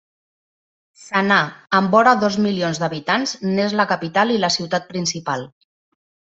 Sanà, amb vora dos milions d'habitants, n'és la capital i la ciutat principal.